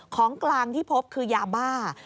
ของกลางที่พบคือยาบ้า